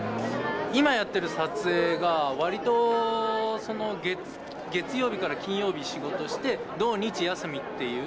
今やってる撮影が割と月曜日から金曜日仕事して土日休みっていう。